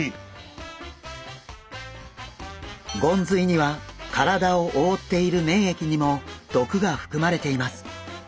ゴンズイには体を覆っている粘液にも毒が含まれています。